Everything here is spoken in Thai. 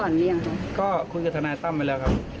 นี่คือทนายต้ำไว้แล้วครับ